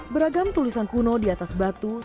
beragam tulisan kuno di atas batu